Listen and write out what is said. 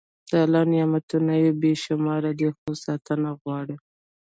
د الله نعمتونه بې شمېره دي، خو ساتنه غواړي.